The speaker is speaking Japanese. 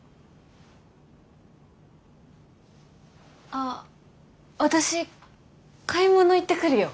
あ私買い物行ってくるよ。